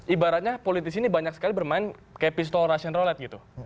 ibaratnya politisi ini banyak sekali bermain kayak pistol russion rollet gitu